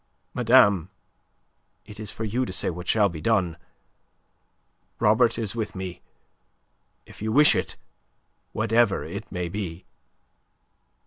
Madame, it is for you to say what shall be done. Robert is with me. If you wish it... whatever it may be..."